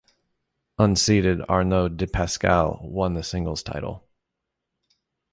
Unseeded Arnaud di Pasquale won the singles title.